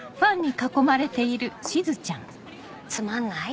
つまんない？